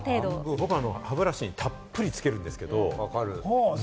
歯ブラシに僕たっぷりつけるんですけど。